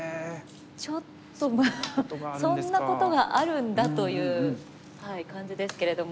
ちょっとそんなことがあるんだという感じですけれども。